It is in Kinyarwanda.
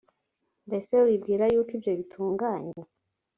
mbese wibwira yuko ibyo bitunganye